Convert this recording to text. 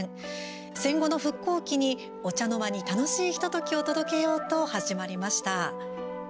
戦後の復興期に、お茶の間に楽しいひとときを届けようと始まりました。